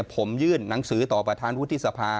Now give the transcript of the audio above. ผมยื่นหนังสือต่อประธานวุฒิสภา